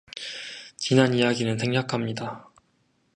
지난 이야기는 생략합니다.